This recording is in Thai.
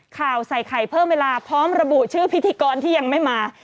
ข่าวใส่ไข่เพิ่มเวลาพร้อมระบุชื่อพิธีกรที่ยังไม่มา